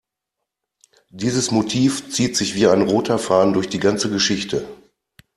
Dieses Motiv zieht sich wie ein roter Faden durch die ganze Geschichte.